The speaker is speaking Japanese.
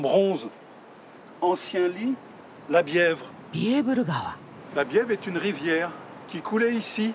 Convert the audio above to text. ビエーブル川。